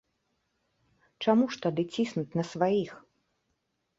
Чаму ж тады ціснуць на сваіх?